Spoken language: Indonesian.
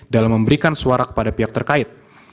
dalam memberikan suara kepada pihak terkait